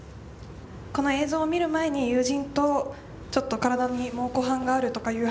この映像を見る前に友人とちょっと体に蒙古斑があるとかいう話をしていて。